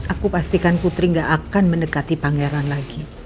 aku pastikan putri gak akan mendekati pangeran lagi